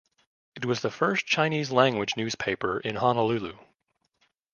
It was the first Chinese language newspaper in Honolulu.